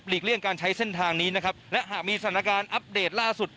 เลี่ยงการใช้เส้นทางนี้นะครับและหากมีสถานการณ์อัปเดตล่าสุด